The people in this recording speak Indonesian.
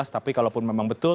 tapi kalau pun memang betul